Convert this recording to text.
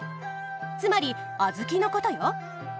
つまり小豆のことよ。